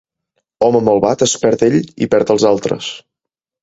Home malvat, es perd ell i perd els altres.